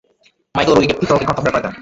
Michael রেগে গিয়ে পিতরকে ঘর থেকে বের করে দেন।